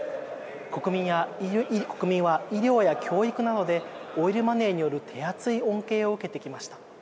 国民は医療や教育などでオイルマネーによる手厚い恩恵を受けてきました。